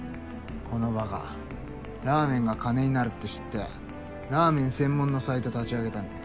このバカラーメンが金になるって知ってラーメン専門のサイト立ち上げたんだ。